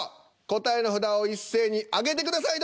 答えの札を一斉に挙げてください。